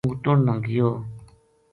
موتن نا گیو